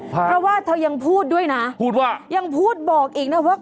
เพราะว่าเธอยังพูดด้วยนะพูดว่ายังพูดบอกอีกนะว่า